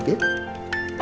aku suka banget pak